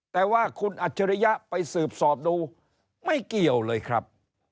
แต่ว่าคุณอัจฉริยะไปสืบสอบดูไม่เกี่ยวเลยครับ